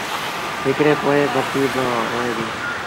هڪڙي پوئيٚن بتيٚ با هوئي دي